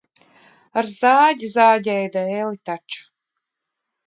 Ar zāģi zāģēju dēli taču.